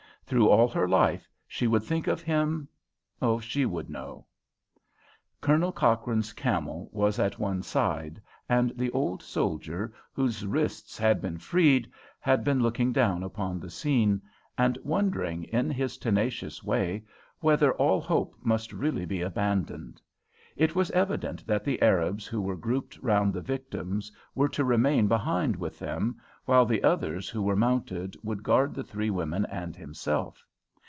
Through all her life she would think of him she would know. Colonel Cochrane's camel was at one side, and the old soldier, whose wrists had been freed, had been looking down upon the scene, and wondering in his tenacious way whether all hope must really be abandoned. It was evident that the Arabs who were grouped round the victims were to remain behind with them, while the others who were mounted would guard the three women and himself.